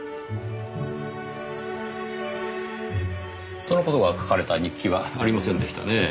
その事が書かれた日記はありませんでしたねぇ。